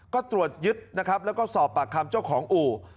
ก็ตรวจยึดนะครับแล้วก็สอบปากคำเจ้าของอู่